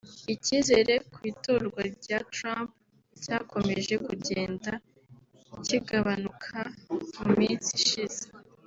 Icyizere ku itorwa rya Trump cyakomeje kugenda kigabanuka mu minsi ishize